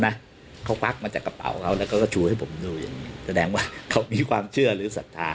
แล้วแผงจะจักรคงจ่ายกดไอะเซริมเศียให้จะรู้